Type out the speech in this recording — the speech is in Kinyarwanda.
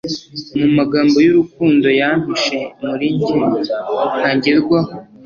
mu magambo, y'urukundo yampishe muri njye ntagerwaho